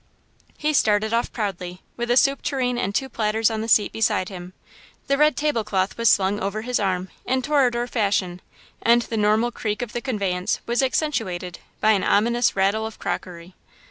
He started off proudly, with a soup tureen and two platters on the seat beside him. The red table cloth was slung over his arm, in toreador fashion, and the normal creak of the conveyance was accentuated by an ominous rattle of crockery.